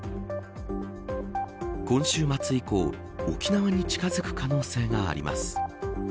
今週末以降沖縄に近づく可能性があります。